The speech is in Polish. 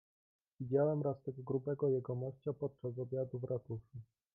"Widziałem raz tego grubego jegomościa podczas obiadu w ratuszu."